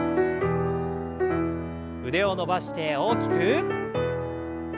腕を伸ばして大きく。